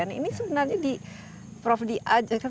dan ini sebenarnya di prof d aj